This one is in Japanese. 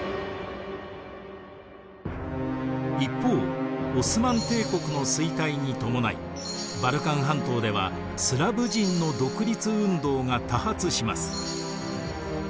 一方オスマン帝国の衰退に伴いバルカン半島ではスラヴ人の独立運動が多発します。